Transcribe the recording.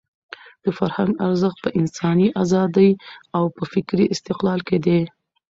د فرهنګ ارزښت په انساني ازادۍ او په فکري استقلال کې دی.